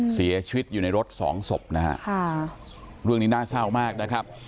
เสียชีวิตอยู่ในรถสองศพนะฮะค่ะเรื่องนี้น่าเศร้ามากนะครับ